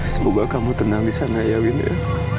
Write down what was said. semoga kamu tenang disana ya win ya